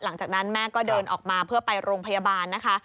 หลังจากนั้นแม่ก็เดินออกมาเพื่อไปโรงพยาบาลนะคะ